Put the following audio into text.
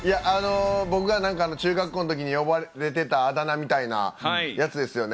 僕が中学校のときに呼ばれていた、あだ名みたいなやつですね。